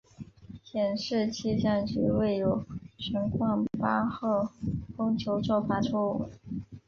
显示气象局未有悬挂八号风球做法错误。